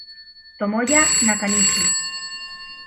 Tomoya Nakanishi